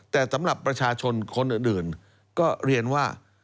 แต่สำหรับประชาชนคนอื่นก็เรียนว่า